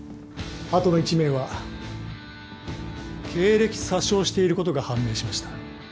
あとの１名は経歴詐称していることが判明しました。